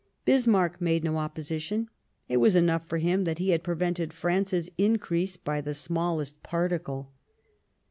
Bismarck made no opposition ; it was enough for him that he had prevented France's increase by the smallest particle.